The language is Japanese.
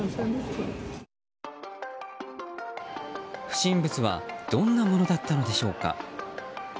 不審物はどんなものだったのでしょうか。